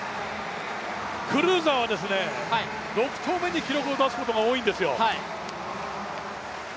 クルーザーは６投目に記録を出すことが多いんですよ。